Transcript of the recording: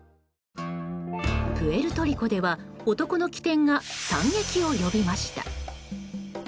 プエルトリコでは男の機転が惨劇を呼びました。